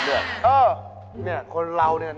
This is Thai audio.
เออเนี่ยคนเราเนี่ย